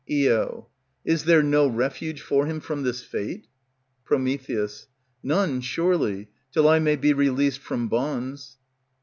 Io. Is there no refuge for him from this fate? Pr. None, surely, till I may be released from bonds.